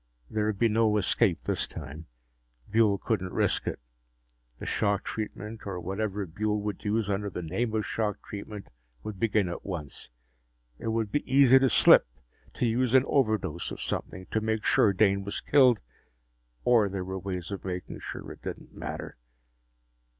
There would be no escape this time. Buehl couldn't risk it. The shock treatment or whatever Buehl would use under the name of shock treatment would begin at once. It would be easy to slip, to use an overdose of something, to make sure Dane was killed. Or there were ways of making sure it didn't matter.